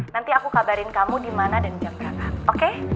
nanti aku kabarin kamu dimana dan jam berapa oke